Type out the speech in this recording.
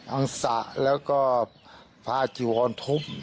อังษะแล้วก็พระอาจิวรทบ